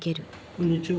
こんにちは。